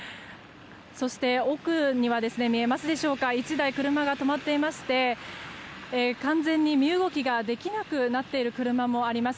そして奥には１台、車が止まっていまして完全に身動きができなくなっている車もあります。